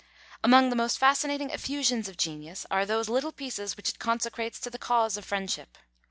Among the most fascinating effusions of genius are those little pieces which it consecrates to the cause of friendship.